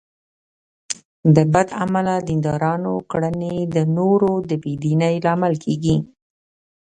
د بد عمله دیندارانو کړنې د نورو د بې دینۍ لامل کېږي.